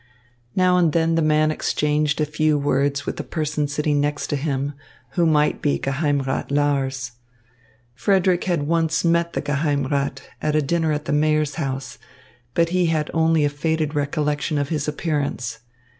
Now and then the man exchanged a few words with a person sitting next to him, who might be Geheimrat Lars. Frederick had once met the Geheimrat at a dinner at the mayor's house, but he had only a faded recollection of his appearance.